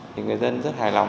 thì người dân rất hài lòng